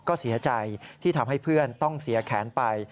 ก็เสียใจที่ทำให้เพื่อนต้องเสียแขนไป